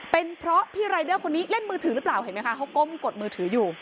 เป็นเพราะพี่รายเดอร์คนนี้เล่นมือถือหรือเปล่าเห็นไหมคะเขาก้มกดมือถืออยู่